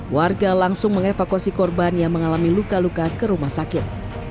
warga langsung mengevakuasi korban yang mengalami luka luka ke rumah sakit